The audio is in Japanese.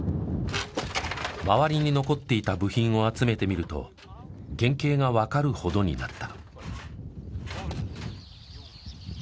周りに残っていた部品を集めてみると原形がわかるほどになった。